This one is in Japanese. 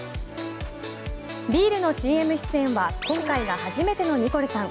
ビールのＣＭ出演は今回が初めてのニコルさん。